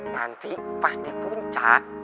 nanti pas di puncak